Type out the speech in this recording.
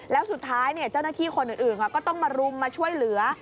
แล้วสุดท้ายเจ้าหน้าที่คนอื่นก็ต้องมารุมมาช่วยเหลือ